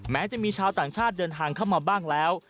แม้จะมีชาวต่างชาติเดินทางเข้ามาบ้างแล้ว